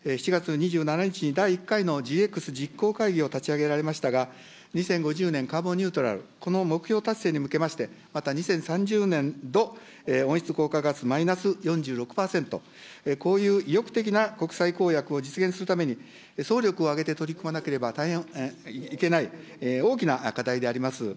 ７月２７日に第１回のＧＸ実行会議を立ち上げられましたが、２０５０年カーボンニュートラル、この目標達成に向けまして、また２０３０年度、温室効果ガスマイナス４６％、こういう意欲的な国際公約を実現するために、総力を挙げて取り組まなければ大変いけない、大きな課題であります。